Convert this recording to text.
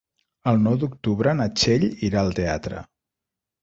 El nou d'octubre na Txell irà al teatre.